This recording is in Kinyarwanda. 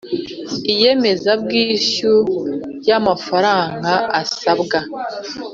inyemezabwishyu ya mafaranga asabwa